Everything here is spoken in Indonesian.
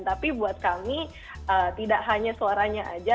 tapi buat kami tidak hanya suaranya aja